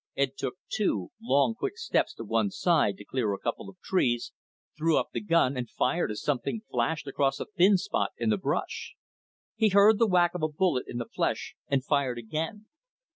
Ed took two long quick steps to one side to clear a couple of trees, threw up the gun and fired as something flashed across a thin spot in the brush. He heard the whack of the bullet in flesh and fired again.